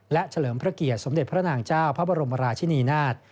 และเฉลิมพระเกียรติสมเด็จพระนางเจ้าพระบรมราชินีนาฏ